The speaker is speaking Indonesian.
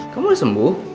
kamu udah sembuh